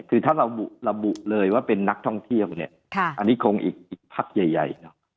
คือถ้าเราระบุเลยว่าเป็นนักท่องเที่ยวเนี่ยอันนี้คงอีกพักใหญ่เนอะ